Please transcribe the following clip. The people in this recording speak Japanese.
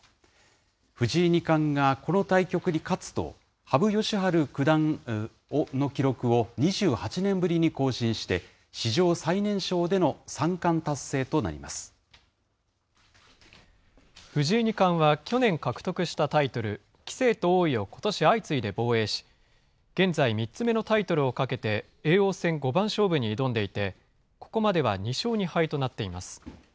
藤井二冠がこの対局に勝つと、羽生善治九段の記録を２８年ぶりに更新して、史上最年少での三冠達藤井二冠は去年獲得したタイトル、棋聖と王位をことし相次いで防衛し、現在、３つ目のタイトルを懸けて叡王戦五番勝負に挑んでいて、ここまでは２勝２敗となっています。